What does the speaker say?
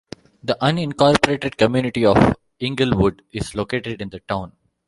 The unincorporated community of Englewood is located in the town.